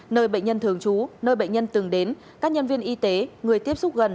nơi bệnh nhân thường trú nơi bệnh nhân từng đến các nhân viên y tế người tiếp xúc gần